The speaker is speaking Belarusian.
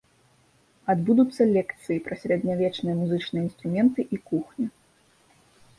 Адбудуцца лекцыі пра сярэднявечныя музычныя інструменты і кухню.